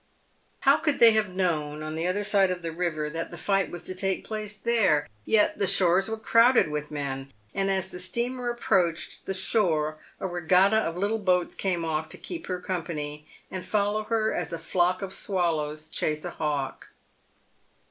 How could they have known on the other side of the river that the fight w r as to take place there ? yet the shores were crowded with men, and as the steamer approached the shore a regatta of little boats came off to keep her company, and follow her as a flock of swallows chase a hawk.